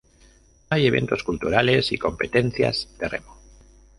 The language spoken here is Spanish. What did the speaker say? Hay eventos culturales y competencias de remo.